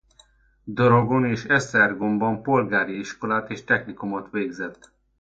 Dorogon és Esztergomban polgári iskolát és technikumot végzett.